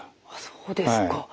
そうですか。